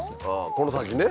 この先ね。